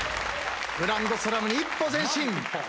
グランドスラムに一歩前進。